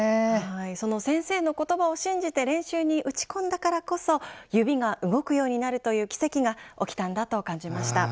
その先生の言葉を信じて練習に打ち込んだからこそ指が動くようになるという奇跡が起きたんだと感じました。